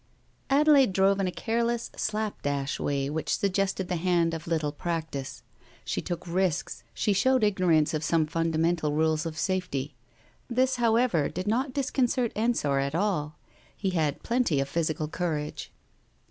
•••«••• Adelaide drove in a careless, slapdash way which sug gested the hand of little practice. She took risks, she showed ignorance of some fundamental rules of safety. This, however, did not disconcert Ensor at all, he had plenty of physical courage.